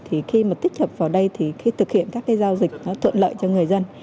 thì khi mà tích hợp vào đây thì khi thực hiện các cái giao dịch nó thuận lợi cho người dân